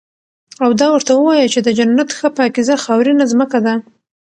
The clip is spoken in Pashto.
او دا ورته ووايه چې د جنت ښه پاکيزه خاورينه زمکه ده